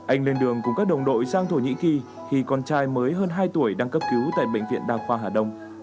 anh lên đường cùng các đồng đội sang thổ nhĩ kỳ khi con trai mới hơn hai tuổi đang cấp cứu tại bệnh viện đa khoa hà đông